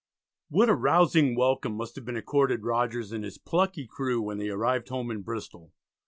A rousing welcome must have been accorded Rogers and his plucky crew when they arrived home in Bristol.